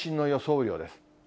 雨量です。